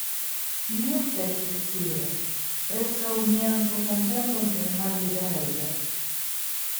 Mi ofte estis tie, preskaŭ mian tutan tempon en malliberejo.